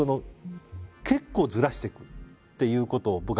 結構ずらしてくっていうことを。